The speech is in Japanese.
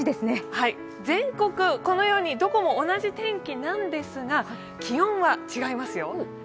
全国どこも同じ天気なんですが気温は違いますよ。